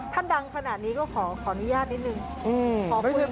ถ้าดังขนาดนี้ก็ขออนุญาตนิดนึง